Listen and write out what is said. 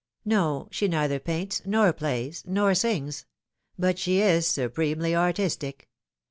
No ; she neither paints, nor plays, nor sings ; but she is supremely artistic.